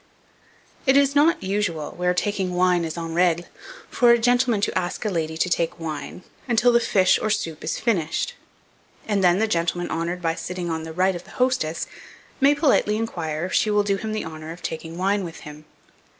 It is not usual, where taking wine is en règle, for a gentleman to ask a lady to take wine until the fish or soup is finished, and then the gentleman honoured by sitting on the right of the hostess, may politely inquire if she will do him the honour of taking wine with him.